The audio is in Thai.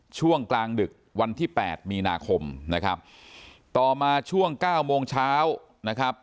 ช่วงกลางดึกวันที่แปดมีนาคมนะครับต่อมาช่วงเก้าโมงเช้านะครับ